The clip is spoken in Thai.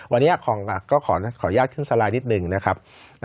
วันนี้ขอยากขึ้นสไลด์สิทธิ์นิดหนึ่งนะครับ